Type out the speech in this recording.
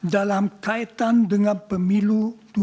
dalam kaitan dengan pemilu dua ribu dua puluh empat